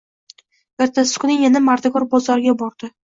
Ertasi kuni yana mardikor bozoriga bordi